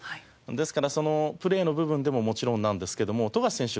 ですからプレーの部分でももちろんなんですけども富樫選手